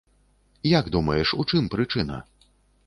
Як думаеш, у чым прычына?